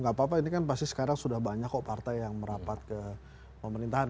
gak apa apa ini kan pasti sekarang sudah banyak kok partai yang merapat ke pemerintahan